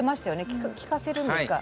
きかせるんですか？